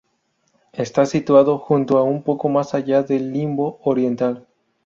Está situado justo un poco más allá del limbo oriental.